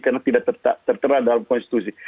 karena tidak tertera dalam konstitusi